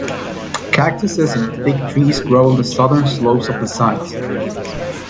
Cactuses and fig trees grow on the southern slopes of the site.